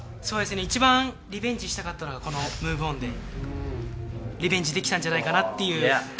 そうですね、一番リベンジしたかったのがこのＭｏｖｅＯｎで、リベンジできたんじゃないかなっていう。